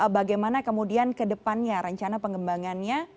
bagaimana kemudian ke depannya rencana pengembangannya